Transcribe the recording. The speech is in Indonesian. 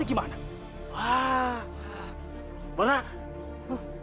aku ingin sampe selesai